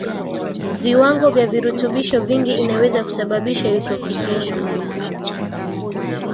Viwango vya virutubisho vingi inaweza kusababisha Eutrophication